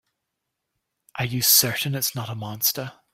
Are you certain it's not a monster?